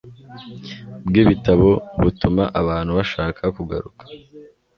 bwibitabo butuma abantu bashaka kugaruka